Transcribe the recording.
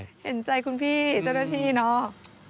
เห็นใจคุณพี่เจ้าหน้าที่เนาะ